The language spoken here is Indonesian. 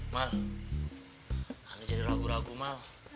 mal anda jadi ragu ragu mal